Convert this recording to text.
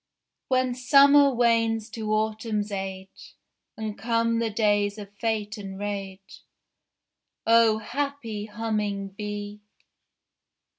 When Summer wanes to Autumn's age, And come the days of fate and rage, O happy Humming Bee!